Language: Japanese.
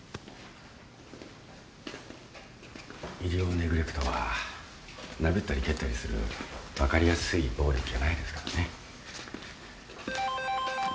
医療ネグレクトは殴ったり蹴ったりする分かりやすい暴力じゃないですからね。